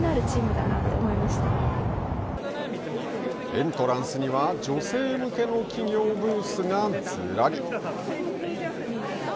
エントランスには、女性向けの企業ブースがずらり。